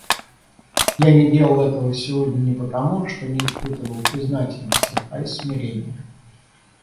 Я не делал этого сегодня не потому, что не испытывал признательности, а из смирения.